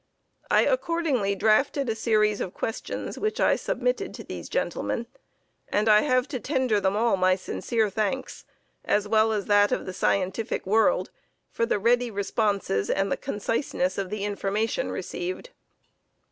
I accordingly drafted a series of questions which I submitted to these gentlemen, and I have to tender them all my sincere thanks, as well as that of the scientific world, for the ready responses and the conciseness of the information received.